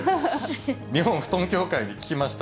日本ふとん協会に聞きました。